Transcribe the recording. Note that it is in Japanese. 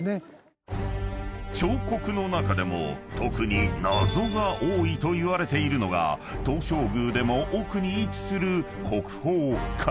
［彫刻の中でも特に謎が多いといわれているのが東照宮でも奥に位置する］